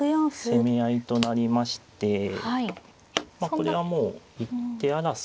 攻め合いとなりましてまあこれはもう一手争いですね。